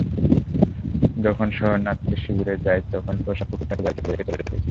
যখন শরণার্থীশিবিরে যাই, তখন পোষা কুকুরটাকে বাড়িতে ফেলে রেখে চলে যেতে হয়েছিল।